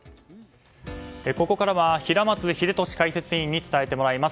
ここからは平松秀敏解説委員に伝えてもらいます。